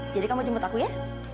jadi kamu jemput aku ya